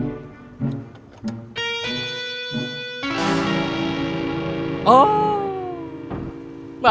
mami selalu ngapain